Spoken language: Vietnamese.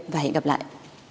và hẹn gặp lại